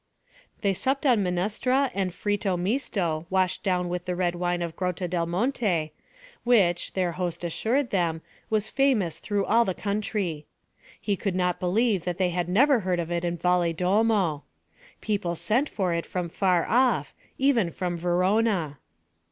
They supped on minestra and fritto misto washed down with the red wine of Grotta del Monte, which, their host assured them, was famous through all the country. He could not believe that they had never heard of it in Valedolmo. People sent for it from far off, even from Verona.